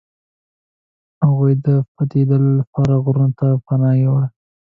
هغوی د پټېدلو لپاره غرونو ته پناه وړي.